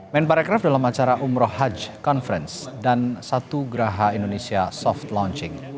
men parekraf dalam acara umroh haji conference dan satu geraha indonesia soft launching